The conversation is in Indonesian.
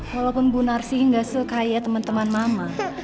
walaupun bu narsi gak sekaya teman teman mama